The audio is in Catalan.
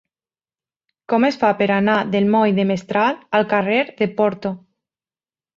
Com es fa per anar del moll de Mestral al carrer de Porto?